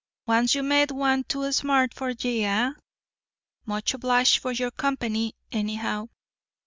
Once you met one too smart for ye, eh? Much obliged for your company, anyhow!'